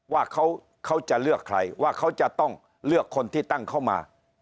ว่าเขาจะเลือกใครว่าเขาจะต้องเลือกคนที่ตั้งเข้ามา